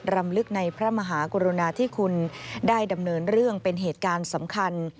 รำลึกในพระมหากรุณาที่คุณได้ดำเนินเรื่องเป็นเหตุการณ์สำคัญ